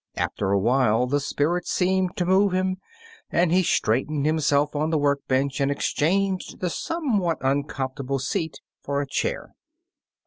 After awhile, the spirit seemed to move him, and he straightened himself on the work bench, and exchanged the somewhat uncomfortable seat for a chair.